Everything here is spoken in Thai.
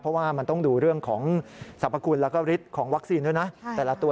เพราะว่ามันต้องดูเรื่องของสรรพคุณและฤทธิ์ของวัคซีนด้วยนะ